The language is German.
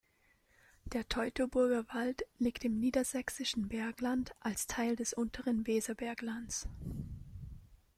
Der Teutoburger Wald liegt im Niedersächsischen Bergland als Teil des Unteren Weserberglands.